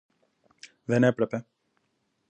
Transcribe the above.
Δεν έπρεπε